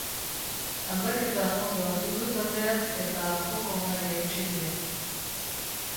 Aldaketa ondo hartu du taldeak eta joko onari eutsi dio.